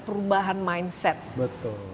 perubahan mindset betul